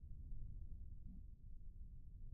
磁层顶外侧一直到弓形震波处被称磁层鞘。